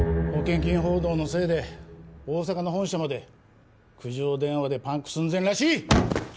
保険金報道のせいで大阪の本社まで苦情電話でパンク寸前らしい！